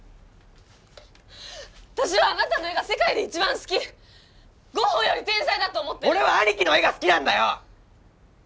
私はあなたの絵が世界で一番好きゴッホより天才だと思ってる俺は兄貴の絵が好きなんだよ！